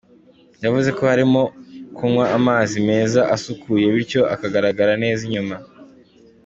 Yavuze ko harimo kunywa amazi meza asukuye bityo akagaragara neza inyuma.